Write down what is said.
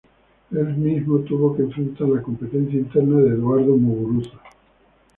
El mismo tuvo que enfrentar la competencia interna de Eduardo Muguruza.